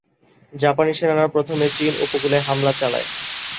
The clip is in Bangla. জাপানি সেনারা প্রথমে চীন উপকূলে হামলা চালায়।